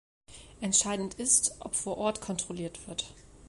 Entscheidend ist, ob vor Ort kontrolliert wird.